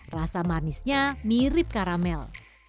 rasa manisnya mirip karamel